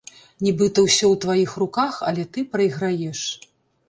Нібыта ўсё ў тваіх руках, але ты прайграеш.